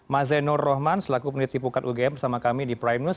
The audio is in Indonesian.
mas zainur rohman selaku peneliti pukat ugm bersama kami di prime news